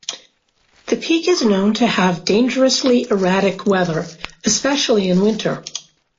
The peak is known to have dangerously erratic weather, especially in winter.